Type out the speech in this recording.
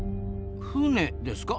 船ですか？